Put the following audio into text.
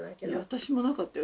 私もなかったよ